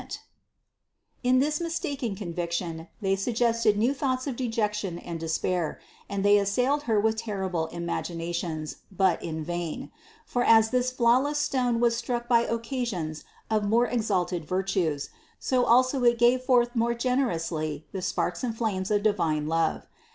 THE CONCEPTION 535 In this mistaken conviction, they suggested new thoughts of dejection and despair, and they assailed Her with terrible imaginations, but in vain; for as this flawless stone was struck by occasions of more exalted virtues, so also it gave forth more generously the sparks and flames of divine love.